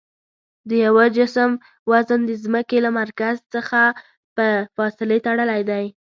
د یوه جسم وزن د ځمکې له مرکز څخه په فاصلې تړلی دی.